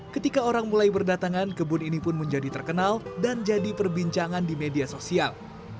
ketika orang mulai berdatangan kebun ini pun menjadi terkenal dan jadi perbincangan di media sosial